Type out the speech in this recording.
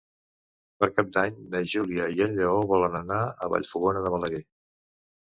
Per Cap d'Any na Júlia i en Lleó volen anar a Vallfogona de Balaguer.